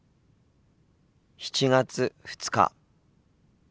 ７月２日。